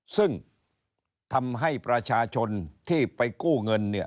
ซึ่งทำให้ประชาชนที่ไปกู้เงินเนี่ย